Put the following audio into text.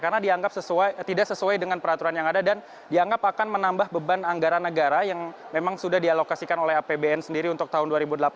karena dianggap tidak sesuai dengan peraturan yang ada dan dianggap akan menambah beban anggaran negara yang memang sudah dialokasikan oleh apbn sendiri untuk tahun dua ribu delapan belas